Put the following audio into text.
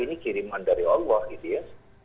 ini kiriman dari allah gitu ya